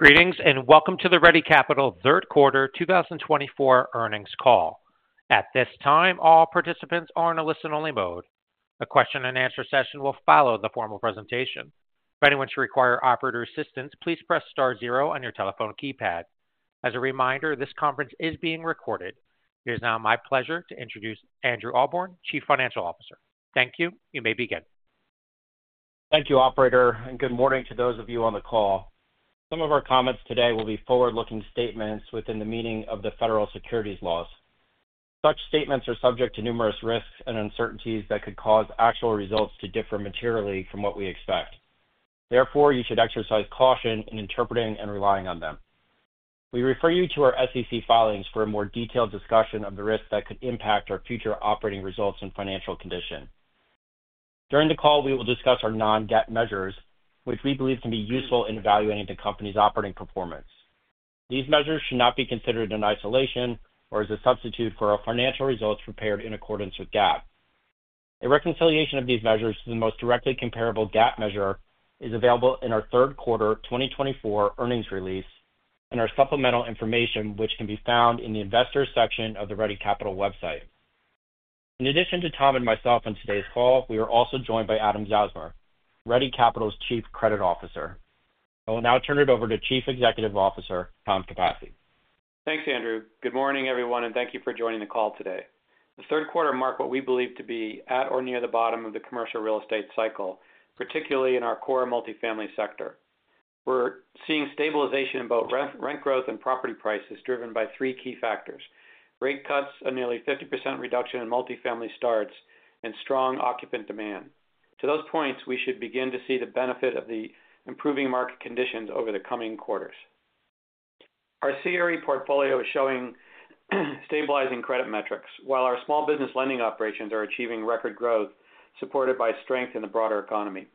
Greetings and welcome to the Ready Capital Q3 2024 earnings call. At this time, all participants are in a listen-only mode. A question-and-answer session will follow the formal presentation. If anyone should require operator assistance, please press star zero on your telephone keypad. As a reminder, this conference is being recorded. It is now my pleasure to introduce Andrew Ahlborn, Chief Financial Officer. Thank you. You may begin. Thank you, Operator, and good morning to those of you on the call. Some of our comments today will be forward-looking statements within the meaning of the federal securities laws. Such statements are subject to numerous risks and uncertainties that could cause actual results to differ materially from what we expect. Therefore, you should exercise caution in interpreting and relying on them. We refer you to our SEC filings for a more detailed discussion of the risks that could impact our future operating results and financial condition. During the call, we will discuss our non-GAAP measures, which we believe can be useful in evaluating the company's operating performance. These measures should not be considered in isolation or as a substitute for our financial results prepared in accordance with GAAP. A reconciliation of these measures to the most directly comparable GAAP measure is available in our Q3 2024 earnings release and our supplemental information, which can be found in the Investor section of the Ready Capital website. In addition to Tom and myself on today's call, we are also joined by Adam Zausmer, Ready Capital's Chief Credit Officer. I will now turn it over to Chief Executive Officer, Tom Capasse. Thanks, Andrew. Good morning, everyone, and thank you for joining the call today. The Q3 marked what we believe to be at or near the bottom of the commercial real estate cycle, particularly in our core multifamily sector. We're seeing stabilization in both rent growth and property prices driven by three key factors: rate cuts, a nearly 50% reduction in multifamily starts, and strong occupant demand. To those points, we should begin to see the benefit of the improving market conditions over the coming quarters. Our CRE portfolio is showing stabilizing credit metrics, while our small business lending operations are achieving record growth supported by strength in the broader economy.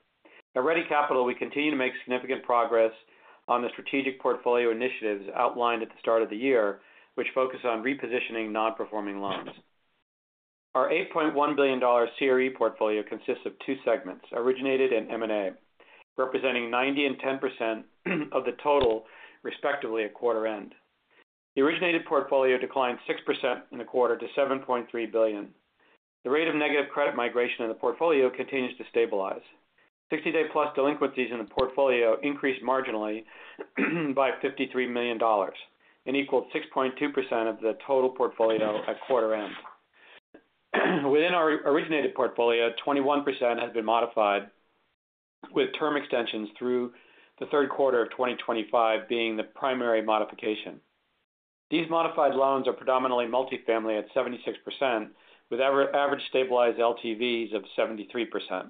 At Ready Capital, we continue to make significant progress on the strategic portfolio initiatives outlined at the start of the year, which focus on repositioning non-performing loans. Our $8.1 billion CRE portfolio consists of two segments: originated and M&A, representing 90% and 10% of the total, respectively, at quarter-end. The originated portfolio declined 6% in the quarter to $7.3 billion. The rate of negative credit migration in the portfolio continues to stabilize. 60-day-plus delinquencies in the portfolio increased marginally by $53 million and equaled 6.2% of the total portfolio at quarter-end. Within our originated portfolio, 21% has been modified, with term extensions through Q3 of 2025 being the primary modification. These modified loans are predominantly multifamily at 76%, with average stabilized LTVs of 73%.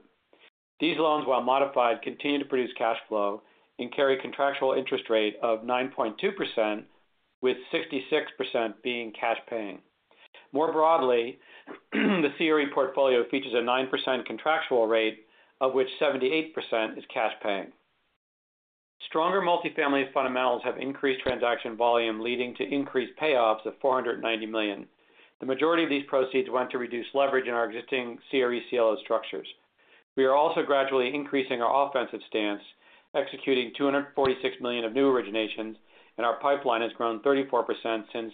These loans, while modified, continue to produce cash flow and carry a contractual interest rate of 9.2%, with 66% being cash-paying. More broadly, the CRE portfolio features a 9% contractual rate, of which 78% is cash-paying. Stronger multifamily fundamentals have increased transaction volume, leading to increased payoffs of $490 million. The majority of these proceeds went to reduced leverage in our existing CRE-CLO structures. We are also gradually increasing our offensive stance, executing $246 million of new originations, and our pipeline has grown 34% since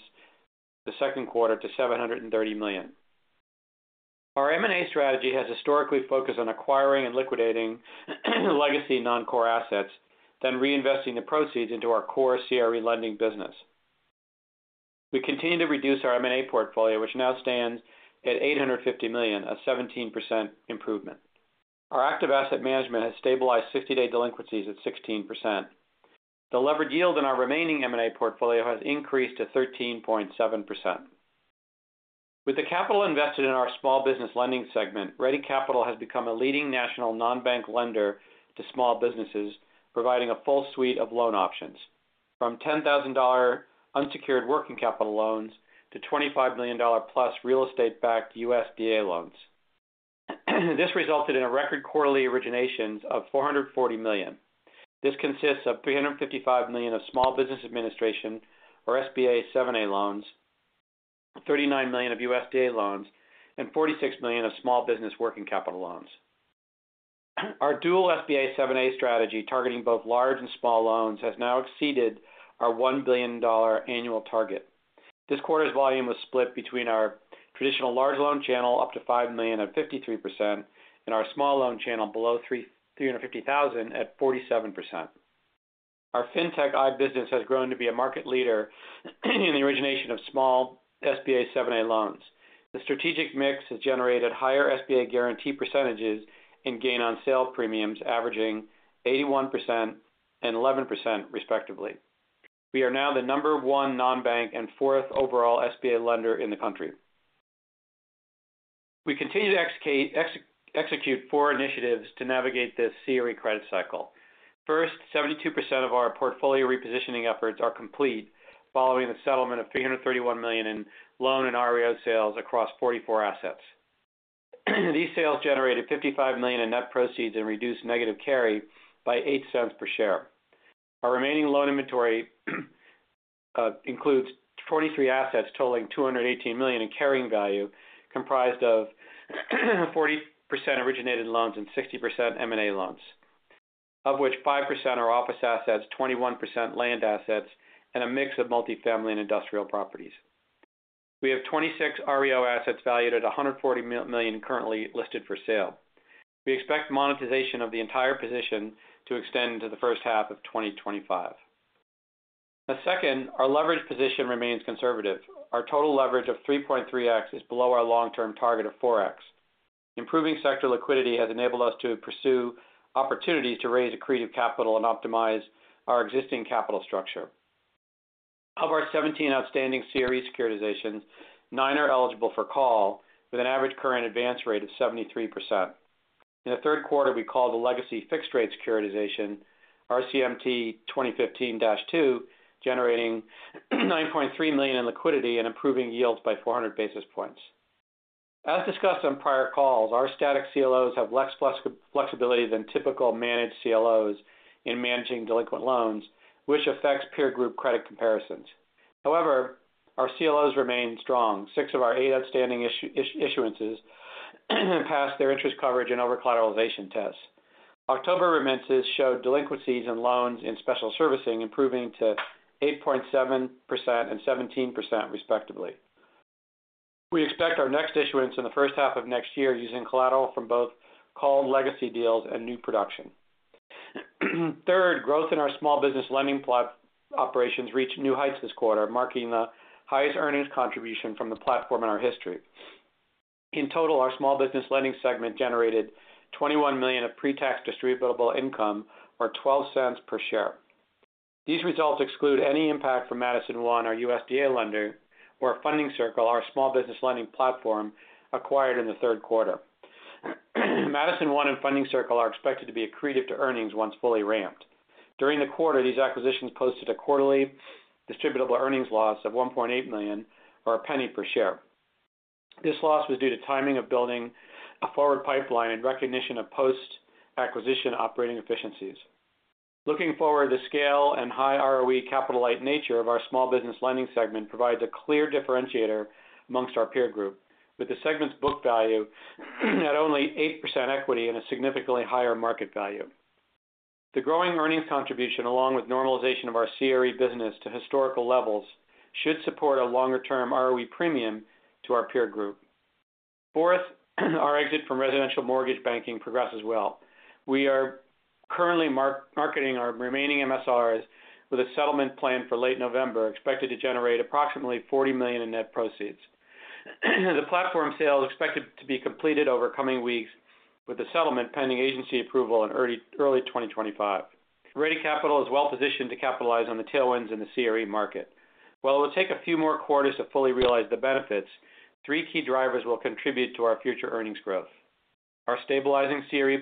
Q2 to $730 million. Our M&A strategy has historically focused on acquiring and liquidating legacy non-core assets, then reinvesting the proceeds into our core CRE lending business. We continue to reduce our M&A portfolio, which now stands at $850 million, a 17% improvement. Our active asset management has stabilized 60-day delinquencies at 16%. The levered yield in our remaining M&A portfolio has increased to 13.7%. With the capital invested in our small business lending segment, Ready Capital has become a leading national non-bank lender to small businesses, providing a full suite of loan options, from $10,000 unsecured working capital loans to $25 million-plus real estate-backed USDA loans. This resulted in a record quarterly originations of $440 million. This consists of $355 million of Small Business Administration or SBA 7(a) loans, $39 million of USDA loans, and $46 million of small business working capital loans. Our dual SBA 7(a) strategy, targeting both large and small loans, has now exceeded our $1 billion annual target. This quarter's volume was split between our traditional large loan channel, up to $5 million at 53%, and our small loan channel, below $350,000, at 47%. Our fintech-enabled business has grown to be a market leader in the origination of small SBA 7(a) loans. The strategic mix has generated higher SBA guarantee percentages and gain-on-sale premiums, averaging 81% and 11%, respectively. We are now the number one non-bank and fourth overall SBA lender in the country. We continue to execute four initiatives to navigate this CRE credit cycle. First, 72% of our portfolio repositioning efforts are complete, following the settlement of $331 million in loan and REO sales across 44 assets. These sales generated $55 million in net proceeds and reduced negative carry by $0.08 per share. Our remaining loan inventory includes 23 assets totaling $218 million in carrying value, comprised of 40% originated loans and 60% M&A loans, of which 5% are office assets, 21% land assets, and a mix of multifamily and industrial properties. We have 26 REO assets valued at $140 million currently listed for sale. We expect monetization of the entire position to extend into the first half of 2025. Second, our leverage position remains conservative. Our total leverage of 3.3x is below our long-term target of 4x. Improving sector liquidity has enabled us to pursue opportunities to raise accretive capital and optimize our existing capital structure. Of our 17 outstanding CRE securitizations, nine are eligible for call, with an average current advance rate of 73%. In Q3, we called a legacy fixed-rate securitization, RCMT 2015-2, generating $9.3 million in liquidity and improving yields by 400 basis points. As discussed on prior calls, our static CLOs have less flexibility than typical managed CLOs in managing delinquent loans, which affects peer group credit comparisons. However, our CLOs remain strong. Six of our eight outstanding issuances passed their interest coverage and over-collateralization tests. October remittances showed delinquencies in loans and special servicing improving to 8.7% and 17%, respectively. We expect our next issuance in the first half of next year using collateral from both called legacy deals and new production. Third, growth in our small business lending operations reached new heights this quarter, marking the highest earnings contribution from the platform in our history. In total, our small business lending segment generated $21 million of pre-tax distributable income, or $0.12 per share. These results exclude any impact from Madison One, our USDA lender, or Funding Circle, our small business lending platform, acquired in Q3. Madison One and Funding Circle are expected to be accretive to earnings once fully ramped. During the quarter, these acquisitions posted a quarterly distributable earnings loss of $1.8 million, or $0.01 per share. This loss was due to timing of building a forward pipeline and recognition of post-acquisition operating efficiencies. Looking forward, the scale and high ROE capital-light nature of our small business lending segment provides a clear differentiator among our peer group, with the segment's book value at only 8% equity and a significantly higher market value. The growing earnings contribution, along with normalization of our CRE business to historical levels, should support a longer-term ROE premium to our peer group. Fourth, our exit from residential mortgage banking progresses well. We are currently marketing our remaining MSRs with a settlement planned for late November, expected to generate approximately $40 million in net proceeds. The platform sales are expected to be completed over coming weeks, with the settlement pending agency approval in early 2025. Ready Capital is well positioned to capitalize on the tailwinds in the CRE market. While it will take a few more quarters to fully realize the benefits, three key drivers will contribute to our future earnings growth: our stabilizing CRE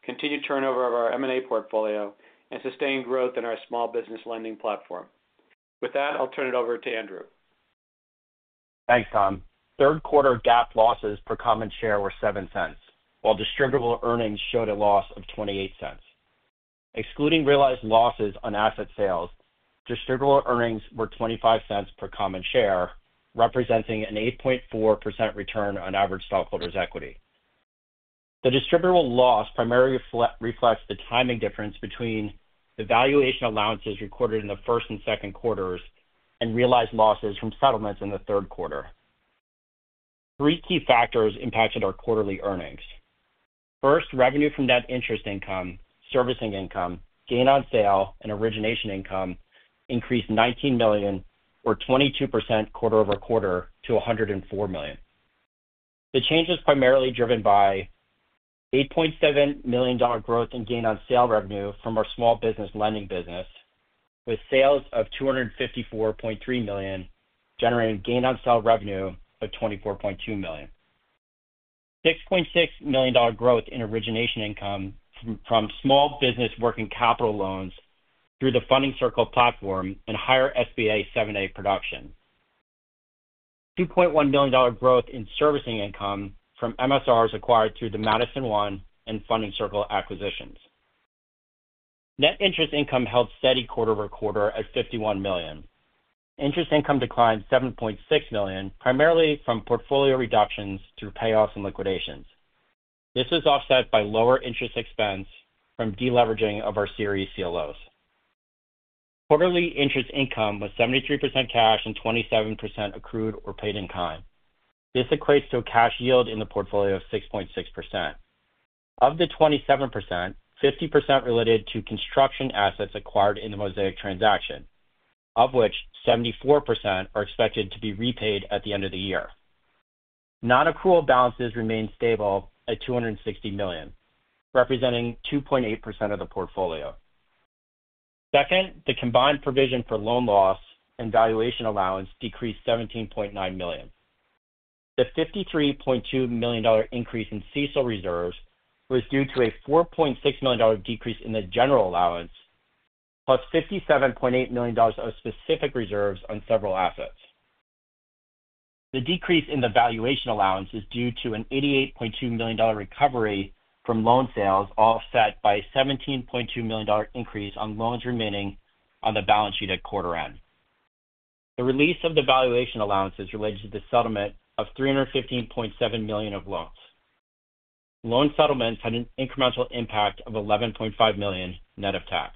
platform, continued turnover of our M&A portfolio, and sustained growth in our small business lending platform. With that, I'll turn it over to Andrew. Thanks, Tom. Q3 GAAP losses per common share were $0.07, while distributable earnings showed a loss of $0.28. Excluding realized losses on asset sales, distributable earnings were $0.25 per common share, representing an 8.4% return on average stockholders' equity. The distributable loss primarily reflects the timing difference between the valuation allowances recorded in the first and second quarters and realized losses from settlements in the third quarter. Three key factors impacted our quarterly earnings. First, revenue from net interest income, servicing income, gain-on-sale, and origination income increased $19 million, or 22% quarter over quarter, to $104 million. The change was primarily driven by $8.7 million growth in gain-on-sale revenue from our small business lending business, with sales of $254.3 million generating gain-on-sale revenue of $24.2 million. $6.6 million growth in origination income from small business working capital loans through the Funding Circle platform and higher SBA 7(a) production. $2.1 million growth in servicing income from MSRs acquired through the Madison One and Funding Circle acquisitions. Net interest income held steady quarter over quarter at $51 million. Interest income declined $7.6 million, primarily from portfolio reductions through payoffs and liquidations. This was offset by lower interest expense from deleveraging of our CRE CLOs. Quarterly interest income was 73% cash and 27% accrued or paid in kind. This equates to a cash yield in the portfolio of 6.6%. Of the 27%, 50% related to construction assets acquired in the Mosaic transaction, of which 74% are expected to be repaid at the end of the year. Non-accrual balances remained stable at $260 million, representing 2.8% of the portfolio. Second, the combined provision for loan loss and valuation allowance decreased $17.9 million. The $53.2 million increase in CECL reserves was due to a $4.6 million decrease in the general allowance, plus $57.8 million of specific reserves on several assets. The decrease in the valuation allowance is due to an $88.2 million recovery from loan sales, offset by a $17.2 million increase on loans remaining on the balance sheet at Q&E. The release of the valuation allowances related to the settlement of $315.7 million of loans. Loan settlements had an incremental impact of $11.5 million net of tax.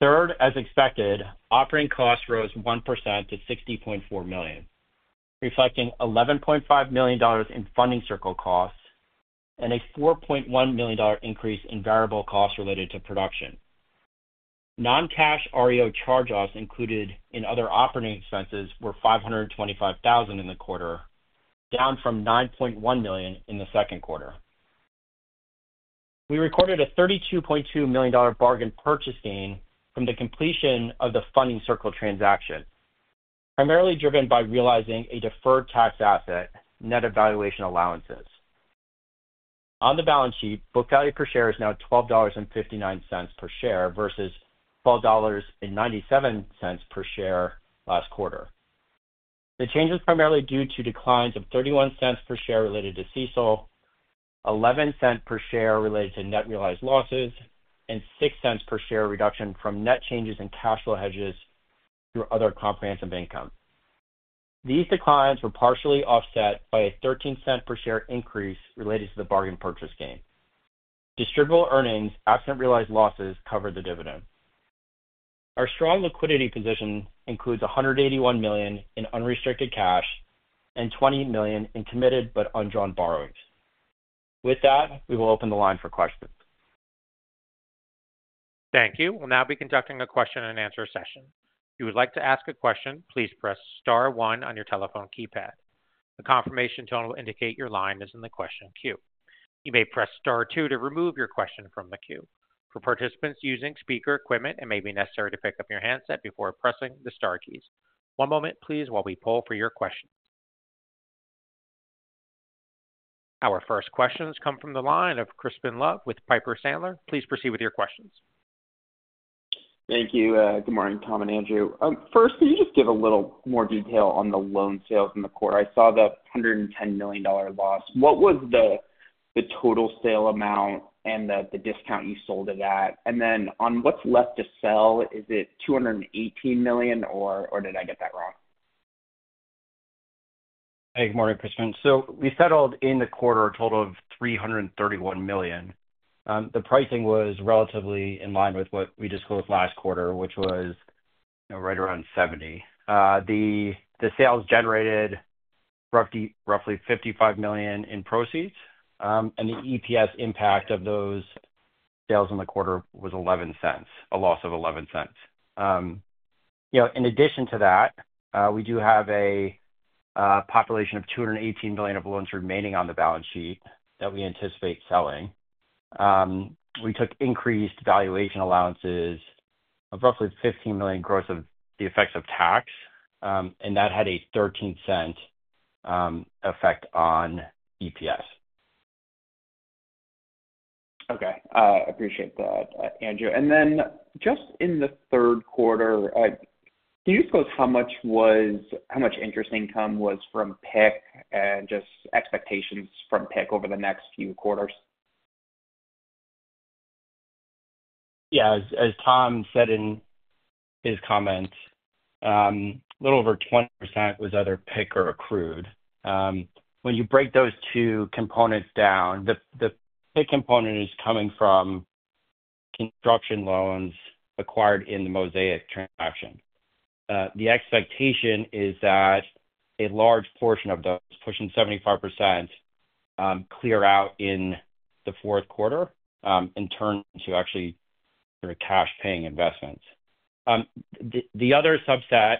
Third, as expected, operating costs rose 1% to $60.4 million, reflecting $11.5 million in Funding Circle costs and a $4.1 million increase in variable costs related to production. Non-cash REO charge-offs included in other operating expenses were $525,000 in the quarter, down from $9.1 million in the second quarter. We recorded a $32.2 million bargain purchase gain from the completion of the Funding Circle transaction, primarily driven by realizing a deferred tax asset, net of valuation allowances. On the balance sheet, book value per share is now $12.59 per share versus $12.97 per share last quarter. The change was primarily due to declines of $0.31 per share related to CECL, $0.11 per share related to net realized losses, and $0.06 per share reduction from net changes in cash flow hedges through other comprehensive income. These declines were partially offset by a $0.13 per share increase related to the bargain purchase gain. Distributable earnings absent realized losses covered the dividend. Our strong liquidity position includes $181 million in unrestricted cash and $20 million in committed but undrawn borrowings. With that, we will open the line for questions. Thank you. We'll now be conducting a question-and-answer session. If you would like to ask a question, please press Star 1 on your telephone keypad. The confirmation tone will indicate your line is in the question queue. You may press Star 2 to remove your question from the queue. For participants using speaker equipment, it may be necessary to pick up your handset before pressing the Star keys. One moment, please, while we poll for your questions. Our first questions come from the line of Crispin Love with Piper Sandler. Please proceed with your questions. Thank you. Good morning, Tom and Andrew. First, can you just give a little more detail on the loan sales in the quarter? I saw the $110 million loss. What was the total sale amount and the discount you sold it at? And then on what's left to sell, is it $218 million, or did I get that wrong? Hey, good morning, Crispin. So we settled in the quarter a total of $331 million. The pricing was relatively in line with what we disclosed last quarter, which was right around $70. The sales generated roughly $55 million in proceeds, and the EPS impact of those sales in the quarter was $0.11, a loss of $0.11. In addition to that, we do have a population of $218 million of loans remaining on the balance sheet that we anticipate selling. We took increased valuation allowances of roughly $15 million gross of the effects of tax, and that had a $0.13 effect on EPS. Okay. I appreciate that, Andrew. And then just in the third quarter, can you disclose how much interest income was from PIK and just expectations from PIK over the next few quarters? Yeah. As Tom said in his comments, a little over 20% was either PIK or accrued. When you break those two components down, the PIK component is coming from construction loans acquired in the Mosaic transaction. The expectation is that a large portion of those, pushing 75%, clear out in the fourth quarter and turn to actually cash-paying investments. The other subset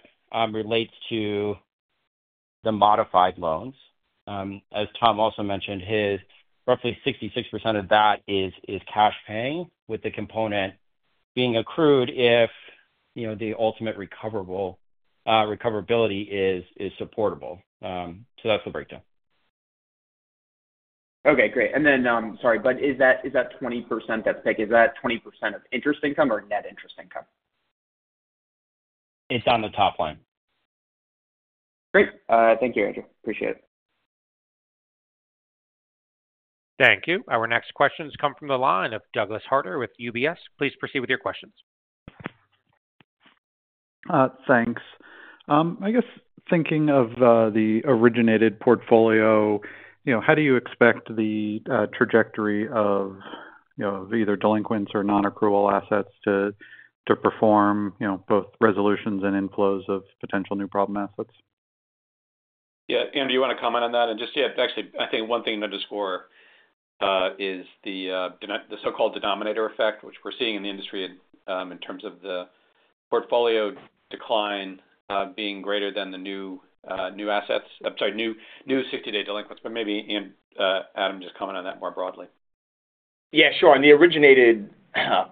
relates to the modified loans. As Tom also mentioned, roughly 66% of that is cash-paying, with the component being accrued if the ultimate recoverability is supportable. So that's the breakdown. Okay. Great. And then, sorry, but is that 20% that's PIK, is that 20% of interest income or net interest income? It's on the top line. Great. Thank you, Andrew. Appreciate it. Thank you. Our next questions come from the line of Douglas Harter with UBS. Please proceed with your questions. Thanks. I guess thinking of the originated portfolio, how do you expect the trajectory of either delinquents or non-accrual assets to perform both resolutions and inflows of potential new problem assets? Yeah. Andrew, you want to comment on that? And just, yeah, actually, I think one thing to score is the so-called denominator effect, which we're seeing in the industry in terms of the portfolio decline being greater than the new assets. I'm sorry, new 60-day delinquents. But maybe Adam, just comment on that more broadly. Yeah. Sure. On the originated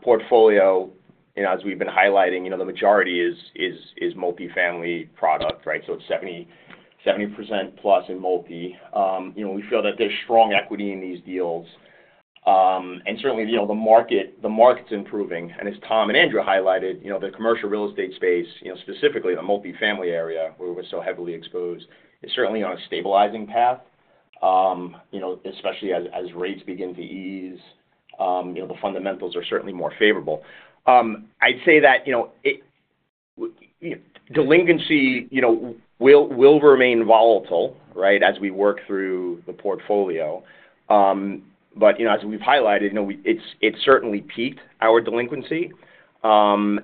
portfolio, as we've been highlighting, the majority is multifamily product, right? So it's 70% plus in multi. We feel that there's strong equity in these deals. And certainly, the market's improving. And as Tom and Andrew highlighted, the commercial real estate space, specifically the multifamily area where we're so heavily exposed, is certainly on a stabilizing path, especially as rates begin to ease. The fundamentals are certainly more favorable. I'd say that delinquency will remain volatile, right, as we work through the portfolio. But as we've highlighted, it's certainly peaked. Our delinquency. And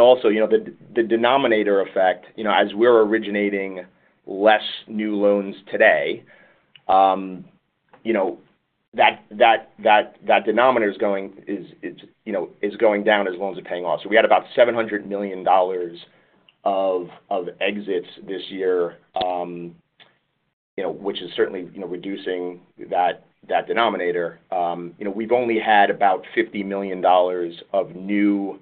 also, the denominator effect, as we're originating less new loans today, that denominator is going down as loans are paying off. So we had about $700 million of exits this year, which is certainly reducing that denominator. We've only had about $50 million of new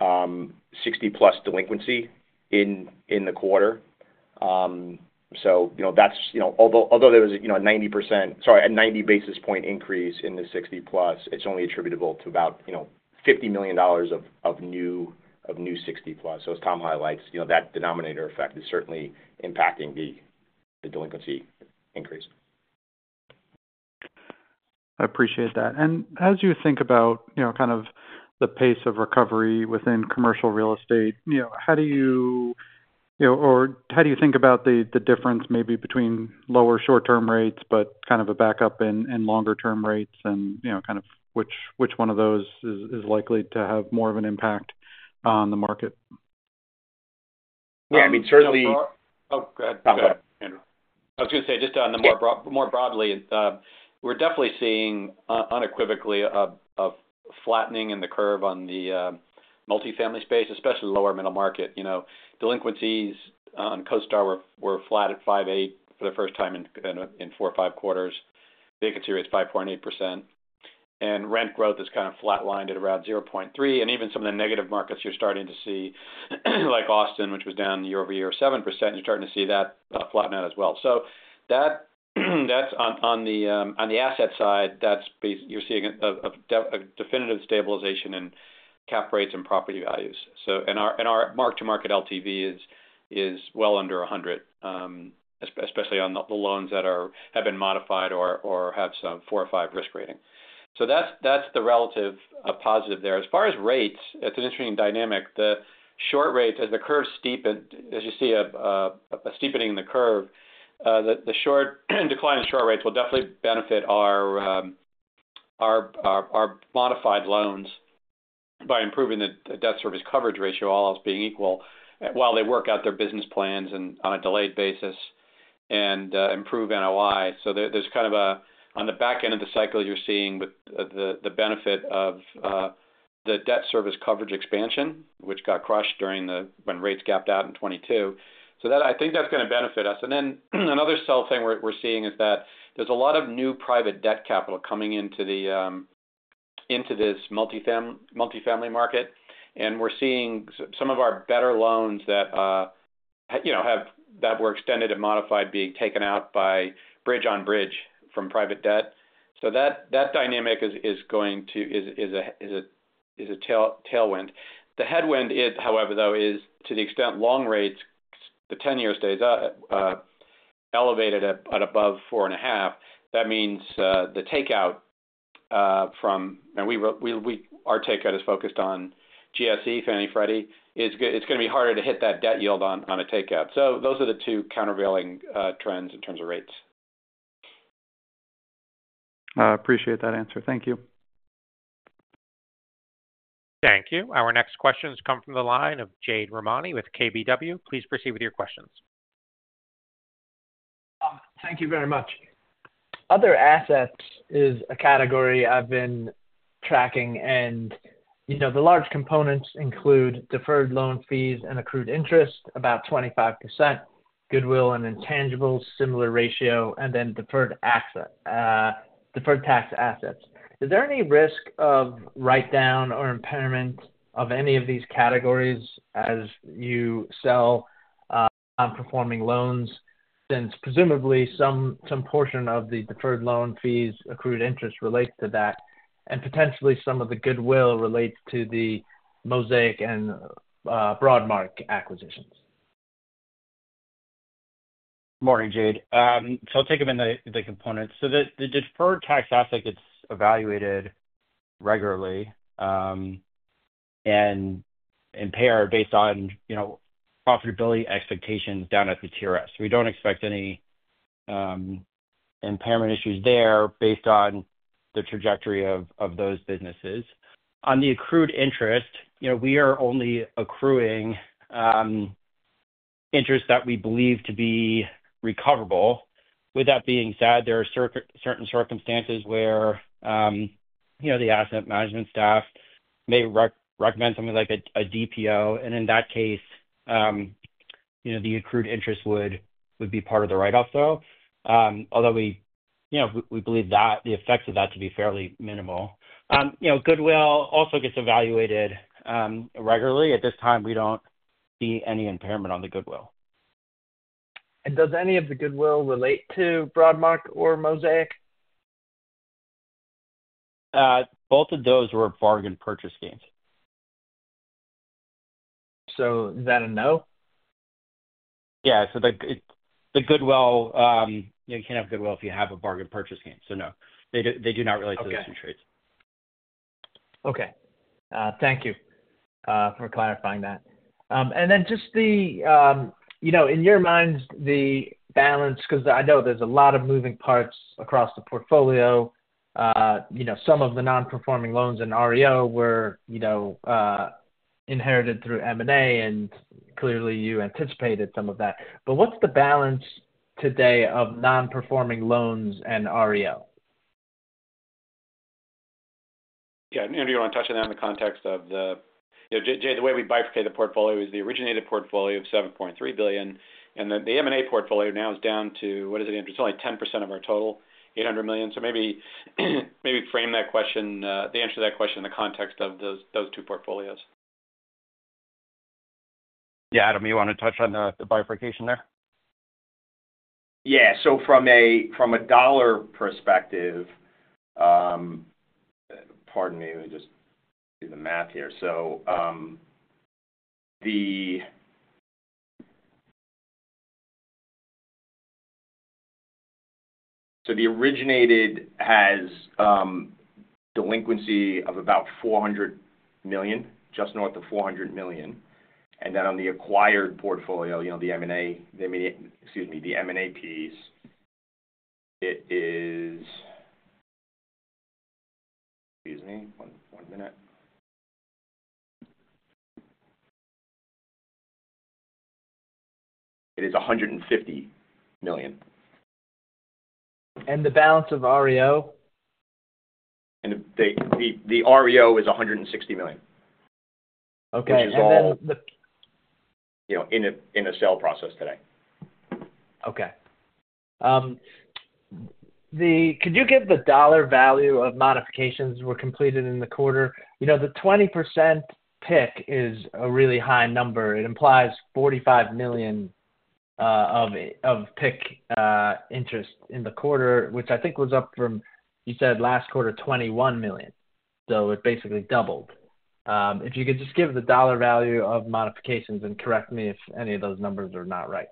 60-plus delinquency in the quarter. So although there was a 90%, sorry, a 90 basis point increase in the 60-plus, it's only attributable to about $50 million of new 60-plus. So as Tom highlights, that denominator effect is certainly impacting the delinquency increase. I appreciate that. As you think about kind of the pace of recovery within commercial real estate, how do you think about the difference maybe between lower short-term rates but kind of a backup in longer-term rates and kind of which one of those is likely to have more of an impact on the market? Yeah. I mean, certainly. Tom, go ahead. Tom, go ahead, Andrew. I was going to say, just on the more broadly, we're definitely seeing unequivocally a flattening in the curve on the multifamily space, especially lower middle market. Delinquencies on CoStar were flat at 5.8% for the first time in four or five quarters. Vacancy rate's 5.8%. And rent growth is kind of flatlined at around 0.3%. And even some of the negative markets you're starting to see, like Austin, which was down year over year 7%, you're starting to see that flatten out as well. So that's on the asset side. You're seeing a definitive stabilization in cap rates and property values. And our mark-to-market LTV is well under 100%, especially on the loans that have been modified or have some 4 or 5 risk rating. So that's the relative positive there. As far as rates, it's an interesting dynamic. The short rates, as the curve steepens, as you see a steepening in the curve, the decline in short rates will definitely benefit our modified loans by improving the debt service coverage ratio, all else being equal, while they work out their business plans on a delayed basis and improve NOI. So there's kind of a, on the back end of the cycle, you're seeing the benefit of the debt service coverage expansion, which got crushed when rates gapped out in 2022. So I think that's going to benefit us. And then another sell thing we're seeing is that there's a lot of new private debt capital coming into this multifamily market. And we're seeing some of our better loans that were extended and modified being taken out by bridge-on-bridge from private debt. So that dynamic is going to be a tailwind. The headwind, however, though, is to the extent long rates, the 10-year, stays elevated at above 4.5%. That means the takeout from (and our takeout is focused on GSE, Fannie Freddie) it's going to be harder to hit that debt yield on a takeout. So those are the two countervailing trends in terms of rates. I appreciate that answer. Thank you. Thank you. Our next questions come from the line of Jade Rahmani with KBW. Please proceed with your questions. Thank you very much. Other assets is a category I've been tracking. The large components include deferred loan fees and accrued interest, about 25%, goodwill and intangibles, similar ratio, and then deferred tax assets. Is there any risk of write-down or impairment of any of these categories as you sell non-performing loans since, presumably, some portion of the deferred loan fees, accrued interest relates to that, and potentially some of the goodwill relates to the Mosaic and Broadmark acquisitions? Morning, Jade. So I'll take them in the components. So the deferred tax asset gets evaluated regularly and impaired based on profitability expectations down at the TRS. We don't expect any impairment issues there based on the trajectory of those businesses. On the accrued interest, we are only accruing interest that we believe to be recoverable. With that being said, there are certain circumstances where the asset management staff may recommend something like a DPO. And in that case, the accrued interest would be part of the write-off, though, although we believe the effects of that to be fairly minimal. Goodwill also gets evaluated regularly. At this time, we don't see any impairment on the goodwill. Does any of the goodwill relate to Broadmark or Mosaic? Both of those were Bargain Purchase Gains. So is that a no? Yeah. So the goodwill, you can't have goodwill if you have a bargain purchase gain. So no. They do not relate to those two trades. Okay. Thank you for clarifying that. And then just in your mind, the balance, because I know there's a lot of moving parts across the portfolio. Some of the non-performing loans and REO were inherited through M&A, and clearly you anticipated some of that. But what's the balance today of non-performing loans and REO? Yeah. Andrew, you want to touch on that in the context of the, Jade, the way we bifurcate the portfolio is the originated portfolio of $7.3 billion. And then the M&A portfolio now is down to—what is it? It's only 10% of our total, $800 million. So maybe frame the answer to that question in the context of those two portfolios. Yeah. Adam, you want to touch on the bifurcation there? Yeah. So from a dollar perspective, pardon me, let me just do the math here. So the originated has delinquency of about $400 million, just north of $400 million. And then on the acquired portfolio, the M&A, excuse me, the M&A piece, it is, excuse me, one minute. It is $150 million. The balance of REO? The REO is $160 million, which is all. Okay. And then. In a sell process today. Okay. Could you give the dollar value of modifications that were completed in the quarter? The 20% PIC is a really high number. It implies $45 million of PIC interest in the quarter, which I think was up from, you said, last quarter, $21 million. So it basically doubled. If you could just give the dollar value of modifications and correct me if any of those numbers are not right.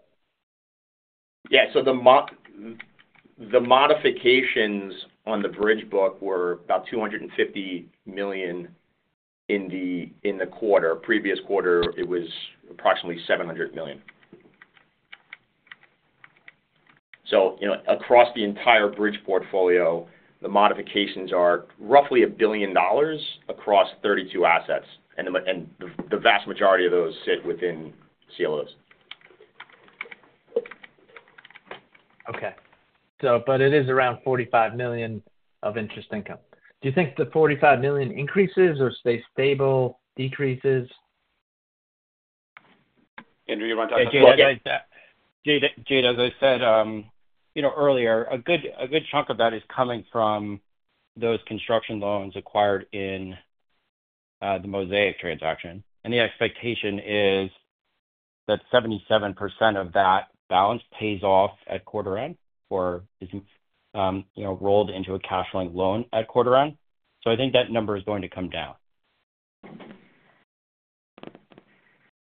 Yeah. So the modifications on the Bridge book were about $250 million in the quarter. Previous quarter, it was approximately $700 million. So across the entire Bridge portfolio, the modifications are roughly $1 billion across 32 assets. And the vast majority of those sit within CLOs. Okay. But it is around $45 million of interest income. Do you think the $45 million increases or stays stable, decreases? Andrew, you want to touch on that? Jade, as I said earlier, a good chunk of that is coming from those construction loans acquired in the Mosaic transaction, and the expectation is that 77% of that balance pays off at quarter end or is rolled into a cash-flow loan at quarter end, so I think that number is going to come down.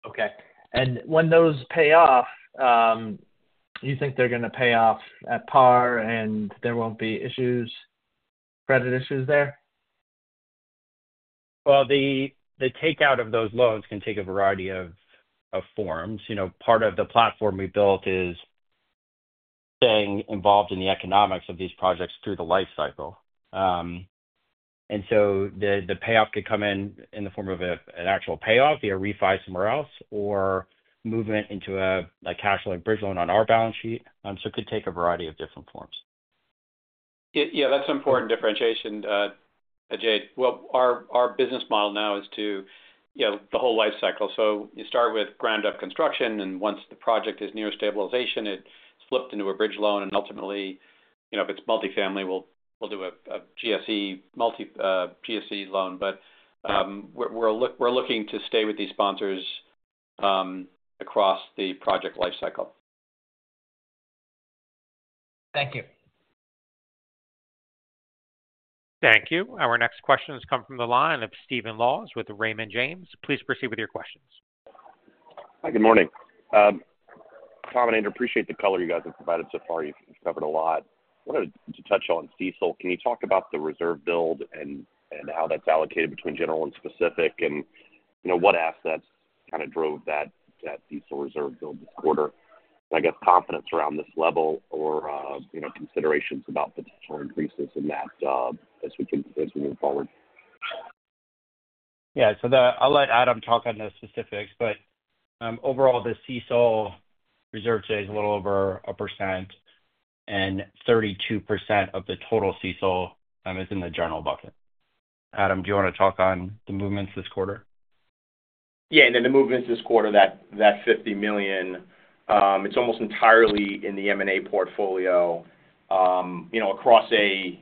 Okay. And when those pay off, you think they're going to pay off at par and there won't be issues, credit issues there? The takeout of those loans can take a variety of forms. Part of the platform we built is staying involved in the economics of these projects through the life cycle. The payoff could come in the form of an actual payoff via refi somewhere else or movement into a cash-loan bridge loan on our balance sheet. It could take a variety of different forms. Yeah. That's an important differentiation, Jade. Our business model now is the whole life cycle. You start with ground-up construction. Once the project is near stabilization, it's flipped into a bridge loan. Ultimately, if it's multifamily, we'll do a GSE loan. We're looking to stay with these sponsors across the project life cycle. Thank you. Thank you. Our next questions come from the line of Stephen Laws with Raymond James. Please proceed with your questions. Hi. Good morning. Tom and Andrew, appreciate the color you guys have provided so far. You've covered a lot. I wanted to touch on delinquency. Can you talk about the reserve build and how that's allocated between general and specific and what assets kind of drove that delinquency reserve build this quarter, and I guess confidence around this level or considerations about potential increases in that as we move forward. Yeah. So I'll let Adam talk on the specifics. But overall, the CECL reserve today is a little over 1%. And 32% of the total CECL is in the general bucket. Adam, do you want to talk on the movements this quarter? Yeah. And then the movements this quarter, that $50 million, it's almost entirely in the M&A portfolio across a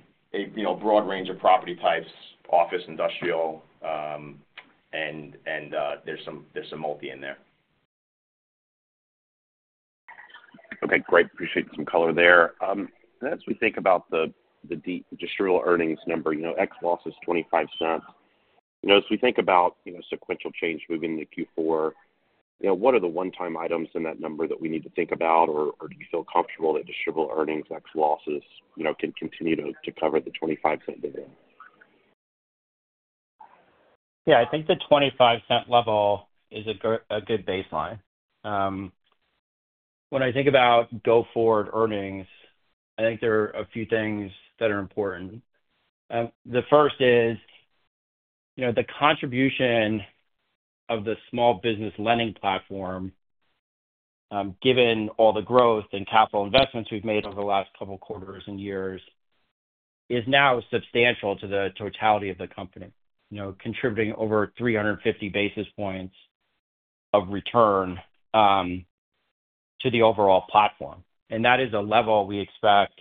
broad range of property types, office, industrial. And there's some multi in there. Okay. Great. Appreciate some color there. As we think about the distributable earnings number, net loss is $0.25. As we think about sequential change moving into Q4, what are the one-time items in that number that we need to think about? Or do you feel comfortable that distributable earnings, net losses, can continue to cover the $0.25 dividend? Yeah. I think the $0.25 level is a good baseline. When I think about go forward earnings, I think there are a few things that are important. The first is the contribution of the small business lending platform, given all the growth and capital investments we've made over the last couple of quarters and years, is now substantial to the totality of the company, contributing over 350 basis points of return to the overall platform. And that is a level we expect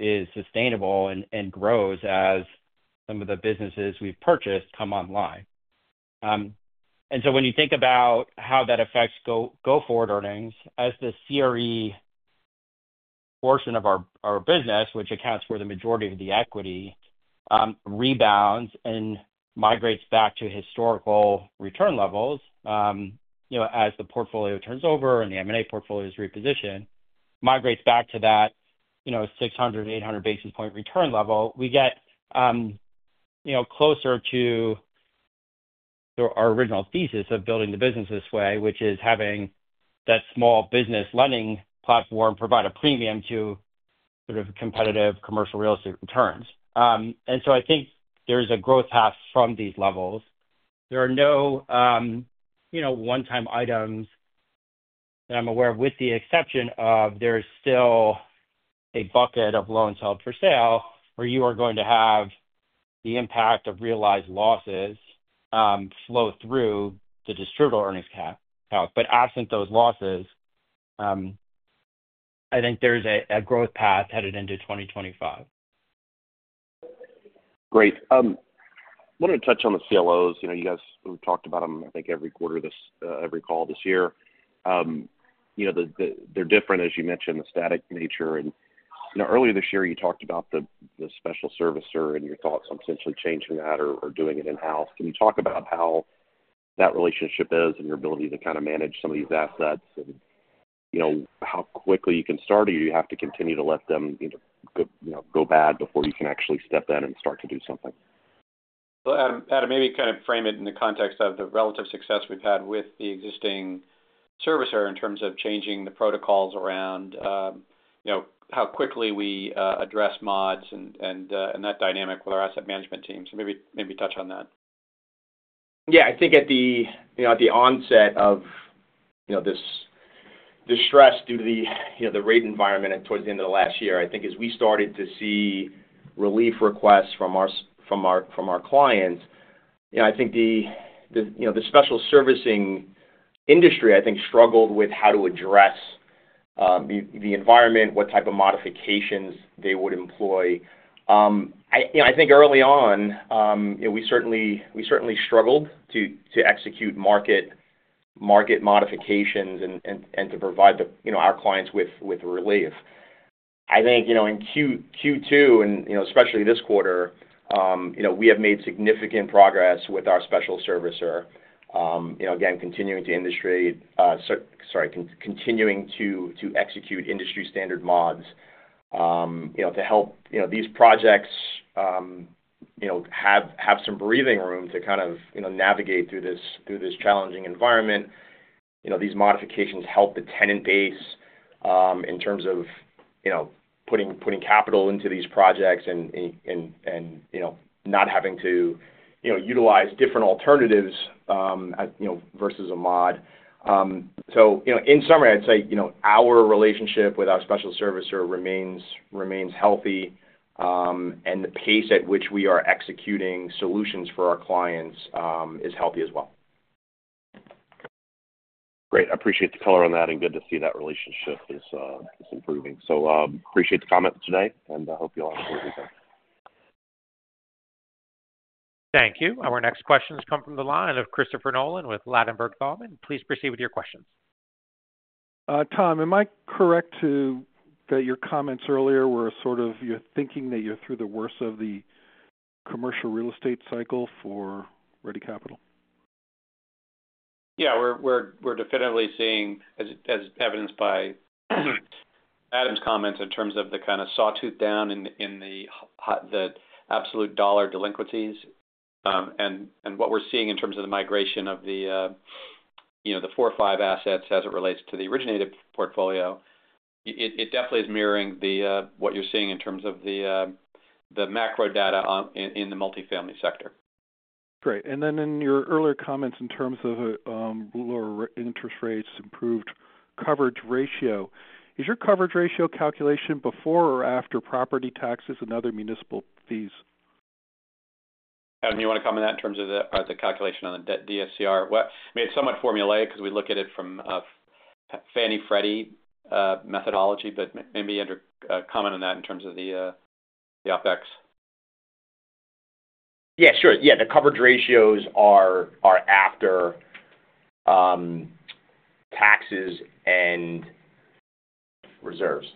is sustainable and grows as some of the businesses we've purchased come online. And so when you think about how that affects go forward earnings, as the CRE portion of our business, which accounts for the majority of the equity, rebounds and migrates back to historical return levels as the portfolio turns over and the M&A portfolio is repositioned, migrates back to that 600-800 basis points return level, we get closer to our original thesis of building the business this way, which is having that small business lending platform provide a premium to sort of competitive commercial real estate returns. And so I think there is a growth path from these levels. There are no one-time items that I'm aware of, with the exception of there's still a bucket of loans held for sale where you are going to have the impact of realized losses flow through the distributable earnings calc. But absent those losses, I think there's a growth path headed into 2025. Great. I wanted to touch on the CLOs. You guys talked about them, I think, every quarter, every call this year. They're different, as you mentioned, the static nature. And earlier this year, you talked about the special servicer and your thoughts on potentially changing that or doing it in-house. Can you talk about how that relationship is and your ability to kind of manage some of these assets and how quickly you can start? Or do you have to continue to let them go bad before you can actually step in and start to do something? So Adam, maybe kind of frame it in the context of the relative success we've had with the existing servicer in terms of changing the protocols around how quickly we address mods and that dynamic with our asset management team. So maybe touch on that. Yeah. I think at the onset of this stress due to the rate environment and towards the end of the last year, I think as we started to see relief requests from our clients, I think the special servicing industry, I think, struggled with how to address the environment, what type of modifications they would employ. I think early on, we certainly struggled to execute market modifications and to provide our clients with relief. I think in Q2, and especially this quarter, we have made significant progress with our special servicer, again, continuing to execute industry-standard mods to help these projects have some breathing room to kind of navigate through this challenging environment. These modifications help the tenant base in terms of putting capital into these projects and not having to utilize different alternatives versus a mod. So in summary, I'd say our relationship with our special servicer remains healthy. And the pace at which we are executing solutions for our clients is healthy as well. Great. I appreciate the color on that. And good to see that relationship is improving. So appreciate the comments today. And I hope you all have a great weekend. Thank you. Our next questions come from the line of Christopher Nolan with Ladenburg Thalmann. Please proceed with your questions. Tom, am I correct that your comments earlier were sort of you're thinking that you're through the worst of the commercial real estate cycle for Ready Capital? Yeah. We're definitely seeing, as evidenced by Adam's comments in terms of the kind of sawtooth down in the absolute dollar delinquencies, and what we're seeing in terms of the migration of the four or five assets as it relates to the originated portfolio, it definitely is mirroring what you're seeing in terms of the macro data in the multifamily sector. Great. And then in your earlier comments in terms of lower interest rates, improved coverage ratio, is your coverage ratio calculation before or after property taxes and other municipal fees? Adam, do you want to comment on that in terms of the calculation on the debt DSCR? I mean, it's somewhat formulaic because we look at it from a Fannie Freddie methodology. But maybe comment on that in terms of the OpEx. Yeah. Sure. Yeah. The coverage ratios are after taxes and reserves.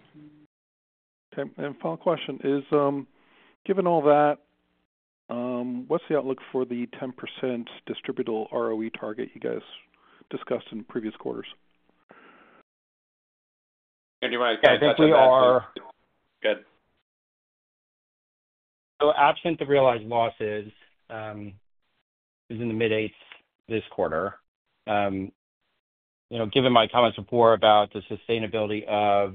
Final question. Given all that, what's the outlook for the 10% distributable ROE target you guys discussed in previous quarters? Andrew, I think we are. Good. So absent the realized losses is in the mid-8ths this quarter. Given my comments before about the sustainability of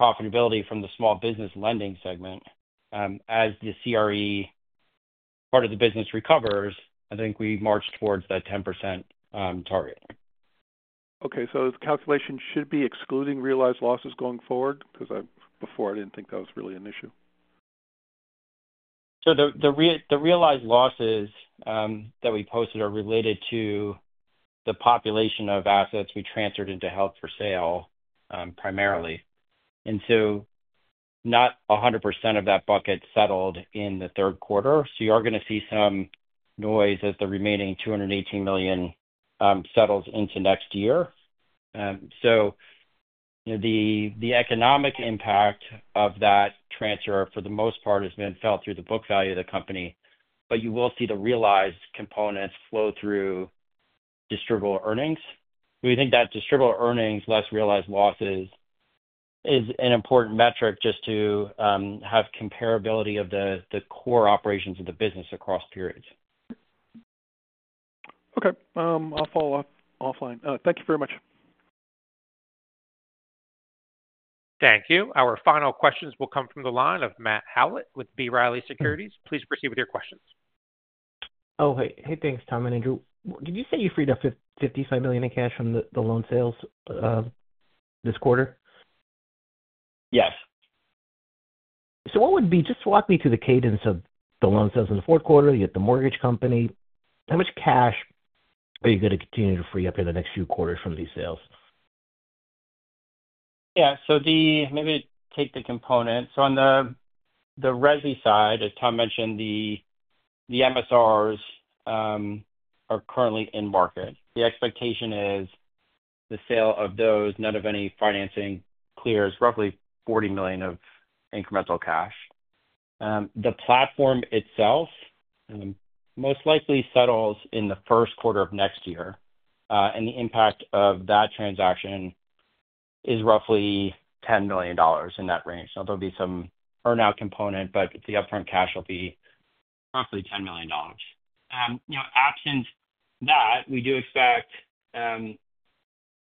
profitability from the small business lending segment, as the CRE part of the business recovers, I think we march towards that 10% target. Okay. So the calculation should be excluding realized losses going forward? Because before, I didn't think that was really an issue. The realized losses that we posted are related to the population of assets we transferred into held for sale primarily, and so not 100% of that bucket settled in the third quarter. You are going to see some noise as the remaining $218 million settles into next year. The economic impact of that transfer, for the most part, has been felt through the book value of the company. You will see the realized components flow through distributable earnings. We think that distributable earnings less realized losses is an important metric just to have comparability of the core operations of the business across periods. Okay. I'll follow offline. Thank you very much. Thank you. Our final questions will come from the line of Matt Howlett with B. Riley Securities. Please proceed with your questions. Oh, hey. Hey, thanks, Tom and Andrew. Did you say you freed up $55 million in cash from the loan sales this quarter? Yes. So, what would be just walk me through the cadence of the loan sales in the fourth quarter, the mortgage company? How much cash are you going to continue to free up in the next few quarters from these sales? Yeah. So maybe take the component. So on the Ready side, as Tom mentioned, the MSRs are currently in market. The expectation is the sale of those, none of any financing, clears roughly $40 million of incremental cash. The platform itself most likely settles in the first quarter of next year. And the impact of that transaction is roughly $10 million in that range. There'll be some earnout component. But the upfront cash will be roughly $10 million. Absent that, we do expect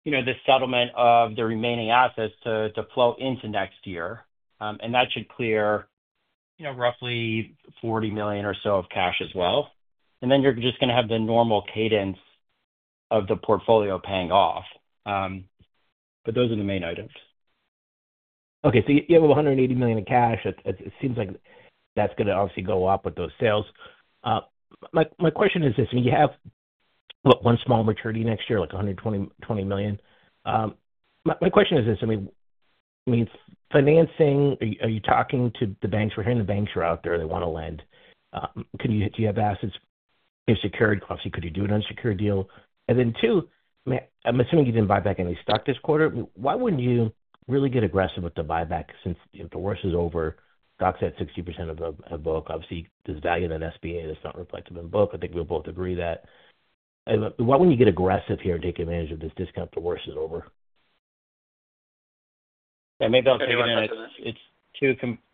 the settlement of the remaining assets to flow into next year. And that should clear roughly $40 million or so of cash as well. And then you're just going to have the normal cadence of the portfolio paying off. But those are the main items. Okay. So you have $180 million in cash. It seems like that's going to obviously go up with those sales. My question is this. I mean, you have one small maturity next year, like $120 million. My question is this. I mean, financing, are you talking to the banks? We're hearing the banks are out there. They want to lend. Do you have assets unsecured? Obviously, could you do an unsecured deal? And then two, I'm assuming you didn't buy back any stock this quarter. Why wouldn't you really get aggressive with the buyback since the worst is over? Stocks at 60% of the book. Obviously, there's value in an SBA that's not reflective in book. I think we'll both agree that. Why wouldn't you get aggressive here and take advantage of this discount until worst is over? Yeah. Maybe I'll take a minute. It's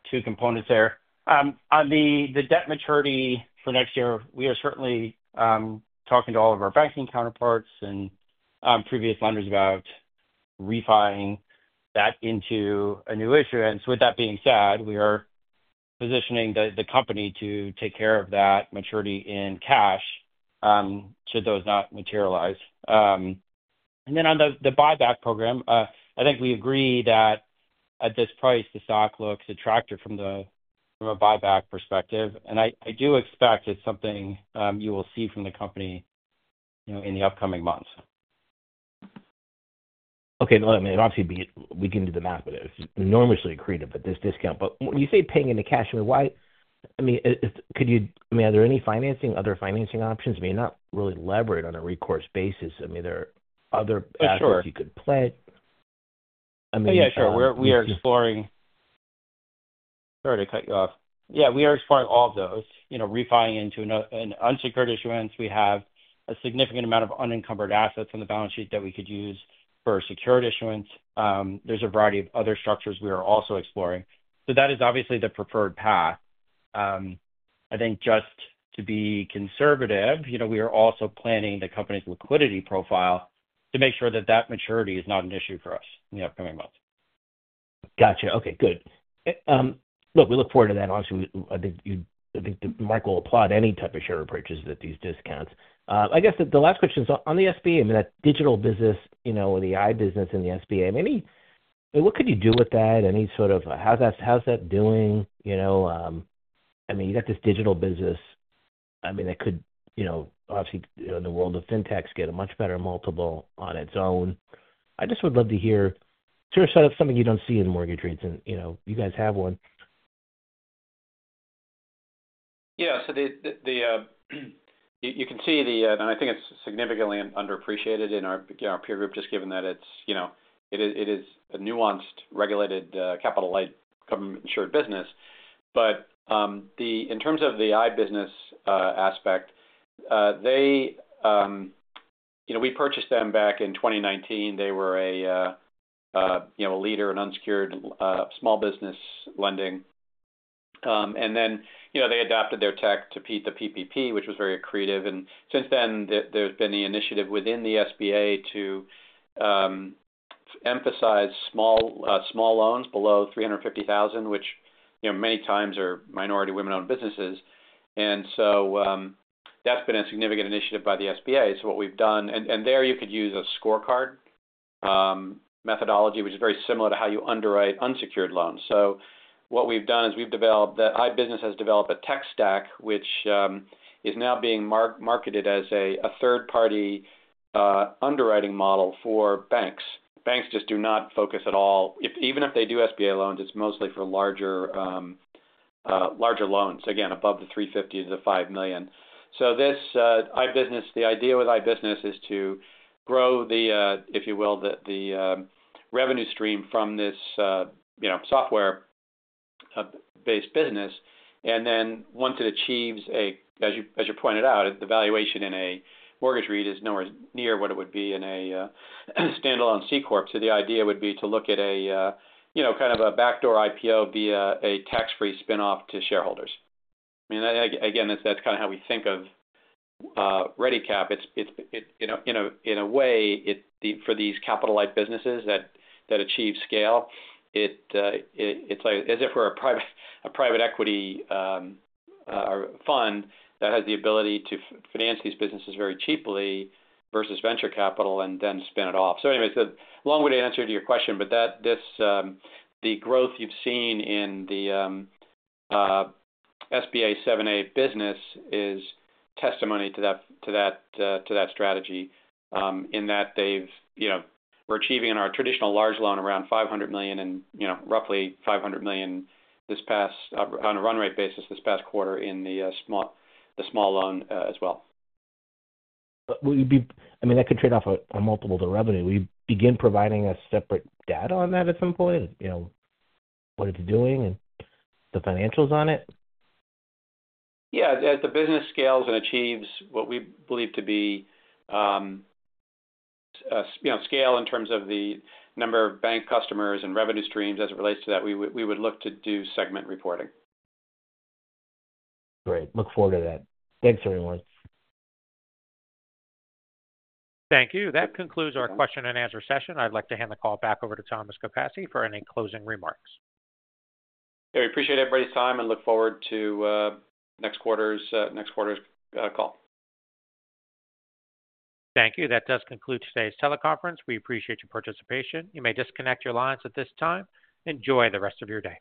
two components there. On the debt maturity for next year, we are certainly talking to all of our banking counterparts and previous lenders about refining that into a new issuance. With that being said, we are positioning the company to take care of that maturity in cash should those not materialize, and then on the buyback program, I think we agree that at this price, the stock looks attractive from a buyback perspective, and I do expect it's something you will see from the company in the upcoming months. Okay. Well, I mean, obviously, we can do the math, but it's enormously accretive at this discount. But when you say paying into cash, I mean, could you, I mean, are there any financing, other financing options? I mean, you're not really leveraged on a recourse basis. I mean, are there other assets you could pledge? I mean, is that? Oh, yeah. Sure. We are exploring, sorry to cut you off. Yeah. We are exploring all of those, refining into an unsecured issuance. We have a significant amount of unencumbered assets on the balance sheet that we could use for a secured issuance. There's a variety of other structures we are also exploring. So that is obviously the preferred path. I think just to be conservative, we are also planning the company's liquidity profile to make sure that that maturity is not an issue for us in the upcoming months. Gotcha. Okay. Good. Look, we look forward to that. Obviously, I think Mark will applaud any type of share approaches with these discounts. I guess the last question is on the SBA. I mean, that digital business or the iBusiness and the SBA, what could you do with that? How's that doing? I mean, you got this digital business. I mean, that could obviously, in the world of fintechs, get a much better multiple on its own. I just would love to hear sort of something you don't see in mortgage rates, and you guys have one. Yeah. So you can see the, and I think it's significantly underappreciated in our peer group, just given that it is a nuanced regulated capital-light insured business. But in terms of the iBusiness aspect, we purchased them back in 2019. They were a leader, an unsecured small business lending. And then they adopted their tech to beat the PPP, which was very accretive. And since then, there's been the initiative within the SBA to emphasize small loans below $350,000, which many times are minority women-owned businesses. And so that's been a significant initiative by the SBA. So what we've done, and there you could use a scorecard methodology, which is very similar to how you underwrite unsecured loans. So what we've done is we've developed the iBusiness has developed a tech stack, which is now being marketed as a third-party underwriting model for banks. Banks just do not focus at all. Even if they do SBA loans, it's mostly for larger loans, again, above the $350,000-$5 million. So the idea with iBusiness is to grow the, if you will, the revenue stream from this software-based business. And then once it achieves, as you pointed out, the valuation in a mortgage REIT is nowhere near what it would be in a standalone C Corp. So the idea would be to look at kind of a backdoor IPO via a tax-free spinoff to shareholders. I mean, again, that's kind of how we think of Ready Capital. In a way, for these capital-light businesses that achieve scale, it's as if we're a private equity fund that has the ability to finance these businesses very cheaply versus venture capital and then spin it off. So anyway, it's a long-winded answer to your question. But the growth you've seen in the SBA 7(a) business is testimony to that strategy in that we're achieving in our traditional large loan around $500 million and roughly $500 million on a run rate basis this past quarter in the small loan as well. I mean, that could trade off a multiple to revenue. Will you begin providing us separate data on that at some point, what it's doing and the financials on it? Yeah. As the business scales and achieves what we believe to be scale in terms of the number of bank customers and revenue streams as it relates to that, we would look to do segment reporting. Great. Look forward to that. Thanks, everyone. Thank you. That concludes our question and answer session. I'd like to hand the call back over to Thomas Capasse for any closing remarks. Hey, we appreciate everybody's time and look forward to next quarter's call. Thank you. That does conclude today's teleconference. We appreciate your participation. You may disconnect your lines at this time. Enjoy the rest of your day.